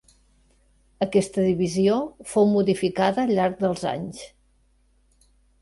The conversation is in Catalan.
Aquesta divisió fou modificada al llarg dels anys.